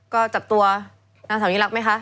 ก็จับตัวนางสาวยิ่งรักไหมคะ